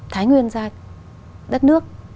thái nguyên ra đất nước